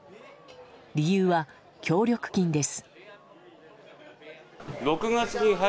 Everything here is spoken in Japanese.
理由は協力金です。